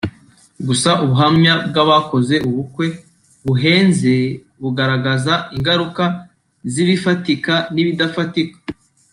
gusa ubuhamya bw’abakoze ubukwe buhenze bugaragaza ingaruka z’ibifatika n’ibidafatika